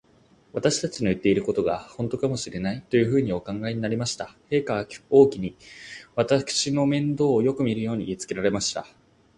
私たちの言ってることが、ほんとかもしれない、というふうにお考えになりました。陛下は王妃に、私の面倒をよくみるように言いつけられました。